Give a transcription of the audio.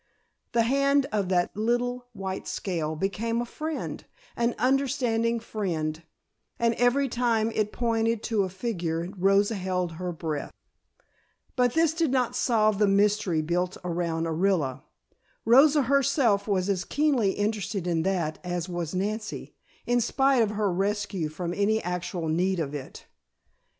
The hand of that little white scale became a friend, an understanding friend, and every time it pointed to a figure Rosa held her breath. But this did not solve the mystery built around Orilla. Rosa herself was as keenly interested in that as was Nancy, in spite of her rescue from any actual need of it.